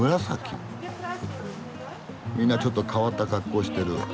みんなちょっと変わった格好してる。